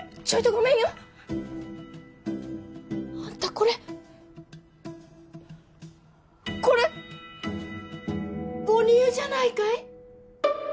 ちょいとごめんよあんたこれこれ母乳じゃないかい？